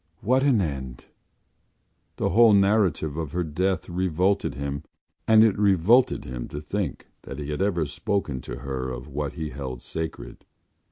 What an end! The whole narrative of her death revolted him and it revolted him to think that he had ever spoken to her of what he held sacred.